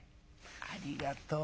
「ありがとう。